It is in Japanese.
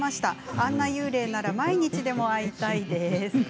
あんな幽霊なら毎日でも会いたいです。